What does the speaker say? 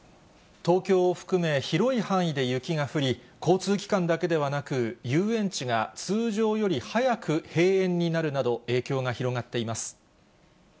東京を含め、広い範囲で雪が降り、交通機関だけではなく、遊園地が通常より早く閉園になるなど、影響が広がっています。